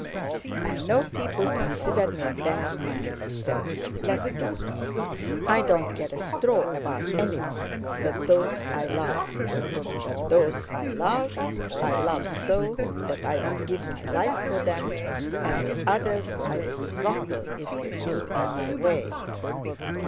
"I know people consider me a bad man!" he said. "Let them! I don't care a straw about anyone but those I love; but those I love, I love so that I would give my life for them, and the others I'd throttle if they stood in my way.